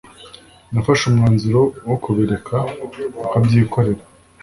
Nafashe umwanzuro wo kubireka akabyikorera